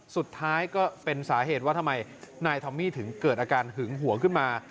สุดท้ายก็เป็นสาเหตุว่าทำไมนายทอมมี่ถึงเกิดอาการหึงหวงขึ้นมา